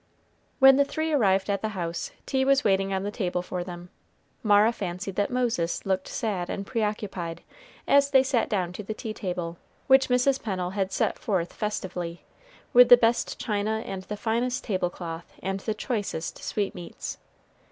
When the three arrived at the house, tea was waiting on the table for them. Mara fancied that Moses looked sad and preoccupied as they sat down to the tea table, which Mrs. Pennel had set forth festively, with the best china and the finest tablecloth and the choicest sweetmeats.